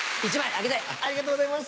ありがとうございます。